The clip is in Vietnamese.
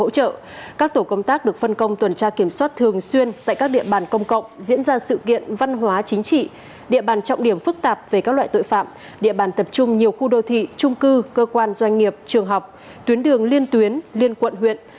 các tổ công tác được phân công tuần tra kiểm soát thường xuyên tại các địa bàn công cộng diễn ra sự kiện văn hóa chính trị địa bàn trọng điểm phức tạp về các loại tội phạm địa bàn tập trung nhiều khu đô thị trung cư cơ quan doanh nghiệp trường học tuyến đường liên tuyến liên quận huyện